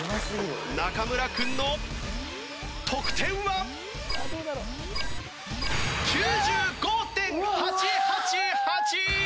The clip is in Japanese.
中村君の得点は！？９５．８８８！